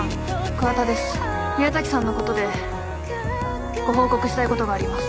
桑田です宮崎さんのことでご報告したいことがあります